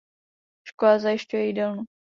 Škola zajišťuje jídelnu.